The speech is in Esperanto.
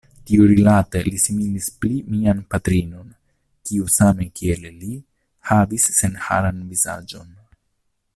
Tiurilate li similis pli mian patrinon, kiu same kiel li, havis senharan vizaĝon.